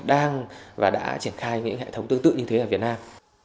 đang và đã triển khai những hệ thống tương tự như thế ở việt nam